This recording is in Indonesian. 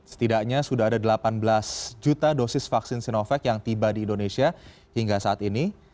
setidaknya sudah ada delapan belas juta dosis vaksin sinovac yang tiba di indonesia hingga saat ini